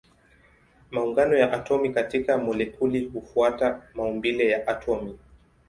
Maungano ya atomi katika molekuli hufuata maumbile ya atomi.